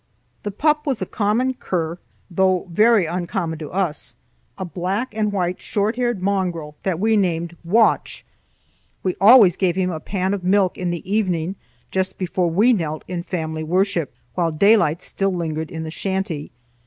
The pup was a common cur, though very uncommon to us, a black and white short haired mongrel that we named "Watch." We always gave him a pan of milk in the evening just before we knelt in family worship, while daylight still lingered in the shanty.